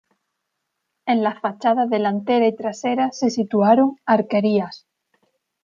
En las fachadas delantera y trasera se situaron arquerías.